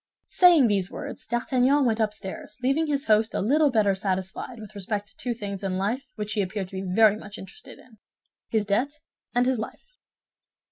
Saying these words, D'Artagnan went upstairs, leaving his host a little better satisfied with respect to two things in which he appeared to be very much interested—his debt and his life.